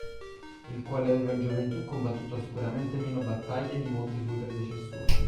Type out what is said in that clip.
Il quale aveva in gioventù combattuto sicuramente meno battaglie di molti suoi predecessori.